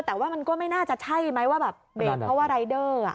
แต่ว่ามันก็ไม่น่าจะใช่ไหมว่าแบบเบรกเพราะว่ารายเดอร์